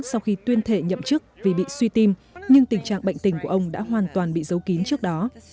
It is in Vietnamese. sau khi tuyên thệ nhậm chức vì bị suy tim nhưng tình trạng bệnh tình của ông đã hoàn toàn bị giấu kín trước đó